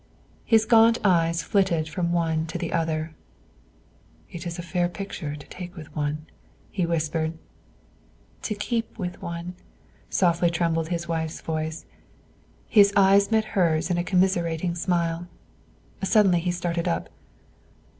His gaunt eyes flitted from one to the other. "It is a fair picture to take with one," he whispered. "To keep with one," softly trembled his wife's voice; his eyes met hers in a commiserating smile. Suddenly he started up.